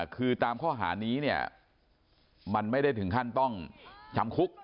คือตามข้อหานี้เนี่ยมันไม่ได้ถึงขั้นต้องจำคุก